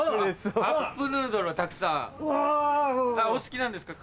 カップヌードルをたくさんお好きなんですか？